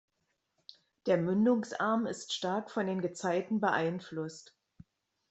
Der Mündungsarm ist stark von den Gezeiten beeinflusst.